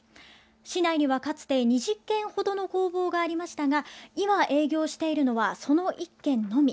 市内には、かつて２０軒ほどの工房がありましたが今、営業しているのはその１軒のみ。